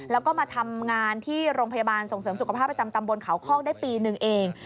แล้วก็มาทำงานที่โรงพยาบาลส่งเสริมสุขภาพประจำตำบลเขาคอกได้ปีหนึ่งเอง